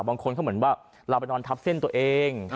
บางคนเขาเหมือนว่าเราไปนอนทับเส้นตัวเอง